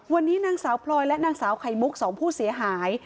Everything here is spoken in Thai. วันนี้นางสาวพลอยและนางสาวไข่มุก๒ผู้เสียหาย